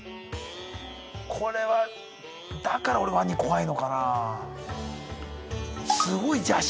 これはだからオレワニ怖いのかなあ。